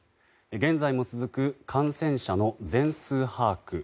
現在も続く感染者の全数把握。